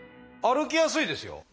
歩きやすいですよ。